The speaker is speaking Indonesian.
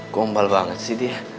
gombal banget sih dia